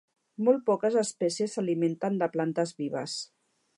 Molt poques espècies s'alimenten de plantes vives.